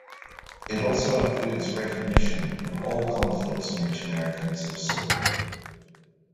It also includes recognition of all conflicts in which Americans have served.